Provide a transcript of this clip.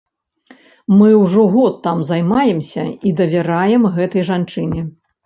Мы ўжо год там займаемся і давяраем гэтай жанчыне.